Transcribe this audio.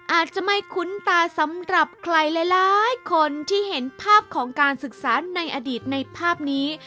อาจจะไม่คุ้นตาสำหรับใครหลายคนที่เห็นภาพของการศึกษาในอดีตในภาพนี้